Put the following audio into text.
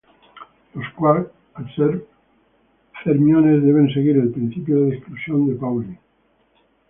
Los quarks, al ser fermiones, deben seguir el principio de exclusión de Pauli.